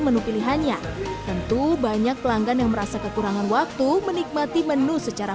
menu pilihannya tentu banyak pelanggan yang merasa kekurangan waktu menikmati menu secara